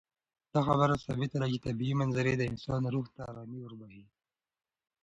دا خبره ثابته ده چې طبیعي منظرې د انسان روح ته ارامي بښي.